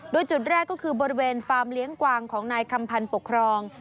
โดยจุดแรกก็คือบริเวณฟาร์มเลี้ยงกวางของนายคำพันธ์ปกครอง